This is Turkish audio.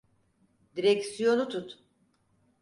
Direksiyonu tut.